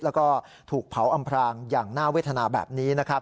แล้วก็ถูกเผาอำพรางอย่างน่าเวทนาแบบนี้นะครับ